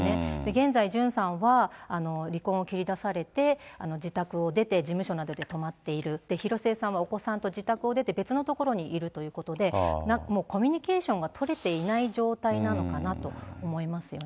現在、ジュンさんは離婚を切り出されて、自宅を出て事務所などで泊まっている、広末さんはお子さんと自宅を出て、別の所にいるということで、もうコミュニケーションが取れていない状態なのかなと思いますよね。